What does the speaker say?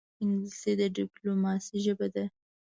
انګلیسي د ډیپلوماسې ژبه ده